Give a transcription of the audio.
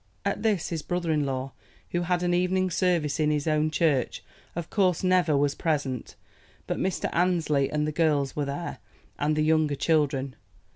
At this his brother in law, who had an evening service in his own church, of course never was present; but Mrs. Annesley and the girls were there, and the younger children.